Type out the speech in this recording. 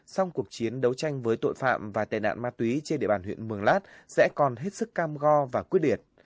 song cuộc chiến đấu tranh với tội phạm và tệ nạn ma túy trên địa bàn huyện mường lát sẽ còn hết sức cam go và quyết liệt